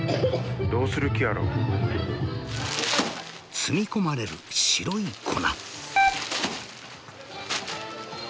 積み込まれる白い粉。